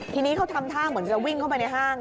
ทีนี้เขาทำท่าเหมือนจะวิ่งเข้าไปในห้าง